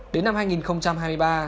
đến năm hai nghìn hai mươi ba